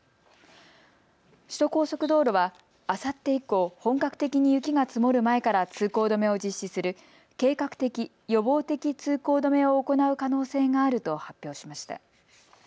首都高速道路はあさって以降、本格的に雪が積もる前から通行止めを実施する計画的・予防的通行止めを行う可能性があると発表しました。